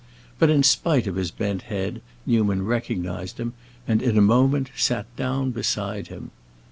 But in spite of his bent head Newman recognized him, and in a moment sat down beside him.